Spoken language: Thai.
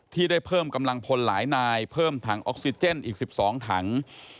ที่ได้เพิ่มกำลังพลหลายนายเพิ่มถังออกซิเจนอีก๑๒ถัง